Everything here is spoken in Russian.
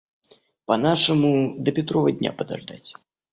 По нашему до Петрова дня подождать.